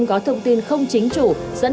chứ không nghĩ là